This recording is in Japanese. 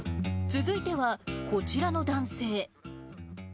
続いては、こちらの男性。